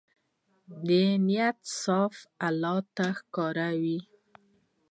د نیت صفا الله ته ښکاري.